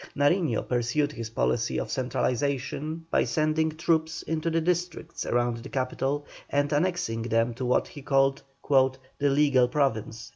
Nariño pursued his policy of centralization by sending troops into the districts around the capital and annexing them to what he called "the legal province."